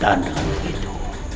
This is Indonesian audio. dan dengan begitu